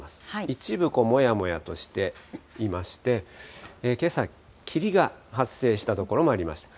一部、もやもやとしていまして、けさ、霧が発生した所もありました。